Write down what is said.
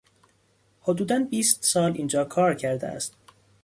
حدودا بیست سال اینجا کار کرده است.